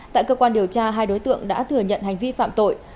tại cơ quan điều tra hai đối tượng đã thừa nhận hành vi phạm tội